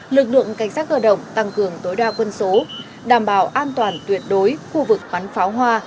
lực lượng cảnh sát cơ động tăng cường tối đa quân số đảm bảo an toàn tuyệt đối khu vực bắn pháo hoa